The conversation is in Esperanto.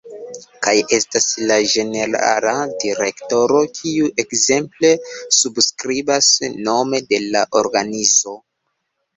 Kaj estas la ĝenerala direktoro kiu ekzemple subskribas nome de la organizo.